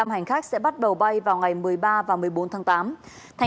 hai mươi năm hành khách sẽ bắt đầu bay vào ngày một mươi ba và một mươi bốn tháng tám